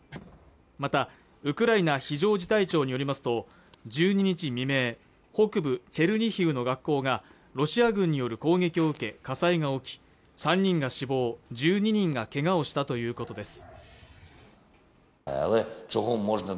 またウクライナ非常事態省によりますと１２日未明北部チェルニヒウの学校がロシア軍による攻撃を受け火災が起き３人が死亡１２人がけがをしたということです